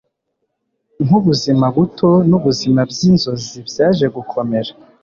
nkubuzima buto nubuzima byinzozi byaje gukomera